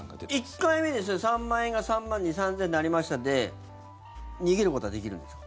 １回目で３万円が３万２０００３万３０００円になりましたで逃げることはできるんですか？